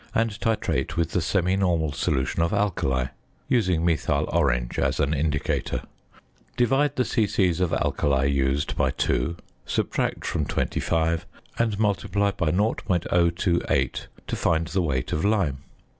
and titrate with the semi normal solution of alkali (using methyl orange as an indicator). Divide the c.c. of alkali used by 2, subtract from 25, and multiply by 0.028 to find the weight of lime.